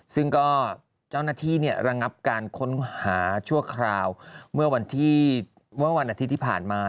ซึ่งก็เจ้าหน้าที่ระงับการค้นหาชั่วคราวเมื่อวันอาทิตย์ที่ผ่านมา